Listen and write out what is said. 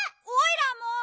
おいらも！